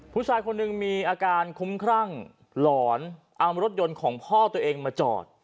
ผู้ชายคนหนึ่งมีอาการคุ้มครั่งหลอนเอารถยนต์ของพ่อตัวเองมาจอด